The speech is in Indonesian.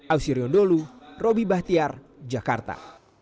ausirion dholu robby bahtiar jakarta